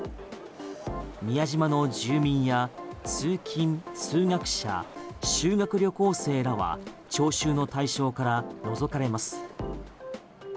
宮島の住民や通勤・通学者修学旅行生らは徴収の対象から除かれます。